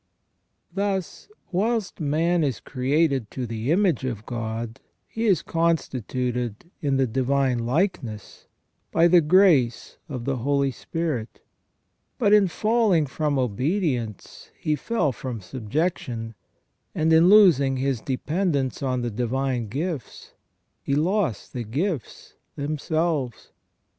* Thus, whilst man is created to the image of God he is con stituted in the divine likeness by the grace of the Holy Spirit But in falling from obedience he fell from subjection, and in losing his dependence on the divine gifts he lost the gifts them selves.